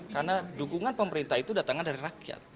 karena dukungan pemerintah itu datangan dari rakyat